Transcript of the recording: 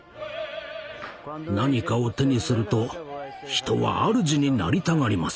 何かを手にすると人はあるじになりたがります。